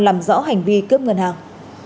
làm rõ hành vi cướp ngân hàng